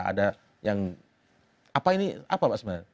ada yang apa ini apa pak sebenarnya